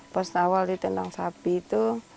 pas awal ditendang sapi itu